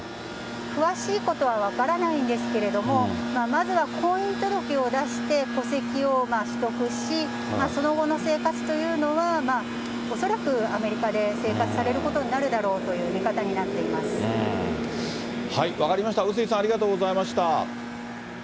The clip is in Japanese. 詳しいことは分からないんですけれども、まずは婚姻届を出して戸籍を取得し、その後の生活というのは、恐らくアメリカで生活されることになるだろうという見方になって分かりました、笛吹さんありがとうございました。